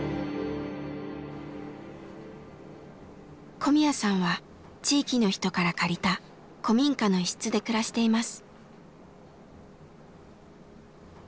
小宮さんは地域の人から借りた古民家の一室で暮らしています。